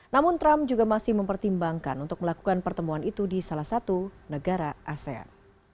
namun trump juga masih mempertimbangkan untuk melakukan pertemuan itu di salah satu negara asean